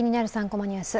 ３コマニュース」